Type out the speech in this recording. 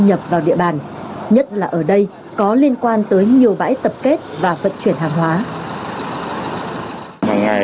nhập vào địa bàn nhất là ở đây có liên quan tới nhiều bãi tập kết và vận chuyển hàng hóa